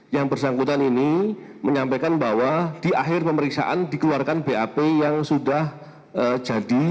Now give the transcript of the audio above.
yang bersangkutan ini menyampaikan bahwa di akhir pemeriksaan dikeluarkan bap yang sudah jadi